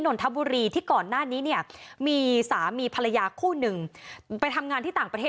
นนทบุรีที่ก่อนหน้านี้เนี่ยมีสามีภรรยาคู่หนึ่งไปทำงานที่ต่างประเทศ